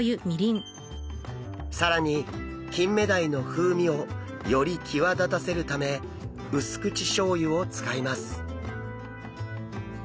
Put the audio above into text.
更にキンメダイの風味をより際立たせるため薄口しょう油を使います。